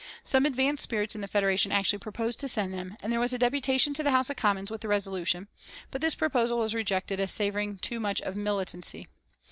Some advanced spirits in the Federation actually proposed to send then and there a deputation to the House of Commons with the resolution, but this proposal was rejected as savouring too much of militancy.